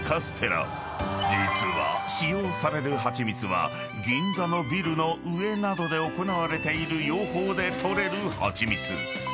［実は使用される蜂蜜は銀座のビルの上などで行われている養蜂で取れる蜂蜜］